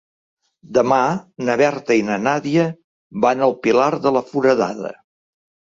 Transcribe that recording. Demà na Berta i na Nàdia van al Pilar de la Foradada.